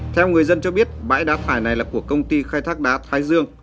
theo người dân cho biết bãi đá phải này là của công ty khai thác đá thái dương